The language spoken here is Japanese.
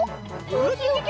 ウキキキ！